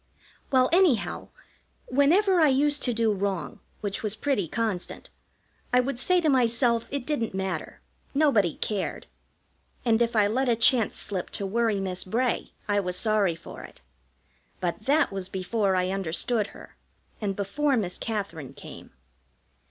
Well, anyhow, whenever I used to do wrong, which was pretty constant, I would say to myself it didn't matter, nobody cared. And if I let a chance slip to worry Miss Bray I was sorry for it; but that was before I understood her, and before Miss Katherine came.